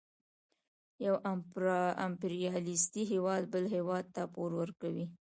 یو امپریالیستي هېواد بل هېواد ته پور ورکوي